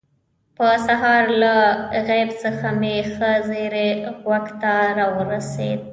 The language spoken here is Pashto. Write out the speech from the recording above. په سهار له غیب څخه مې ښه زیری غوږ ته راورسېد.